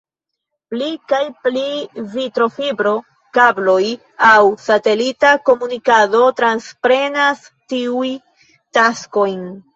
Pli kaj pli vitrofibro-kabloj aŭ satelita komunikado transprenas tiuj taskojn.